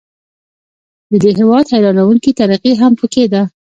د دې هیواد حیرانوونکې ترقي هم پکې ده.